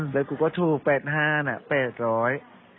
ได้กูก็ถูกแปดห้านักแบบร้อย